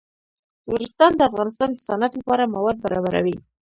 نورستان د افغانستان د صنعت لپاره مواد برابروي.